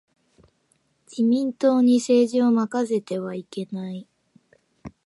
自民党に政治を任せてはいけない。